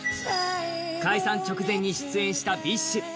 解散直前に出演したＢｉＳＨ。